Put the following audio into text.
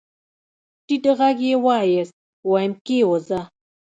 ټيټ غږ يې واېست ويم کېوځه.